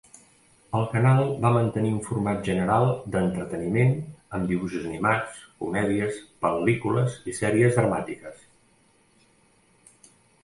El canal va mantenir un format general d"entreteniment, amb dibuixos animats, comèdies, pel·lícules i sèries dramàtiques.